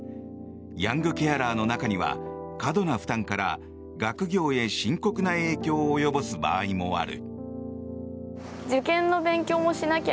ヤングケアラーの中には過度な負担から学業へ深刻な影響を及ぼす場合もある。